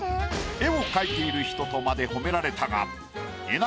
絵を描いている人とまでほめられたがえな